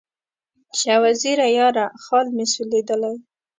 شاه وزیره یاره، خال مې سولېدلی